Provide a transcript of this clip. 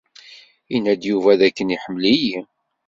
Yenna-d Yuba d akken iḥemmel-iyi.